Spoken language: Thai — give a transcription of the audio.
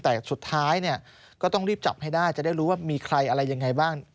แต่สุดท้ายเนี่ยก็ต้องรีบจับให้ได้จะได้รู้ว่ามีใครอะไรยังไงบ้าง